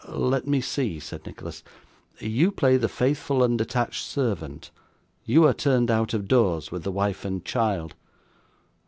'Let me see,' said Nicholas. 'You play the faithful and attached servant; you are turned out of doors with the wife and child.